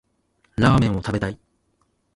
ラーメンを食べたい